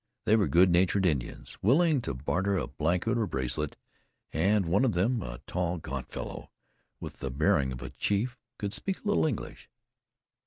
They were good natured Indians, willing to barter a blanket or bracelet; and one of them, a tall, gaunt fellow, with the bearing of a chief, could speak a little English.